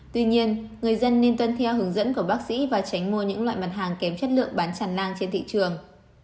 tuy nhiên người dân nên tuân theo hướng dẫn của bác sĩ và tránh mua những loại mặt hàng kém chất lượng bán tràn lan trên thị trường